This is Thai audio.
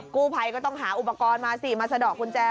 กู้ภัยก็ต้องหาอุปกรณ์มาสิมาสะดอกกุญแจ